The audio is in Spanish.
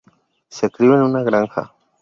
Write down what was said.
Se crio en una granja.